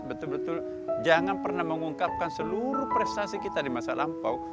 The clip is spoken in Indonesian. betul betul jangan pernah mengungkapkan seluruh prestasi kita di masa lampau